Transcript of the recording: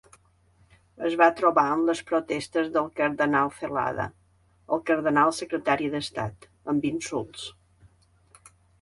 Es va trobar amb les protestes del cardenal Zelada, el cardenal secretari d'estat, amb insults.